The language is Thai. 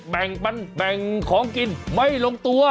แบ่งปันแบ่งของกินไม่ลงตัว